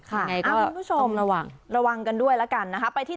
ค่ะคุณผู้ชมระวังระวังกันด้วยแล้วกันนะครับ